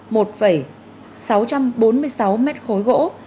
một sáu trăm bốn mươi sáu m khối gỗ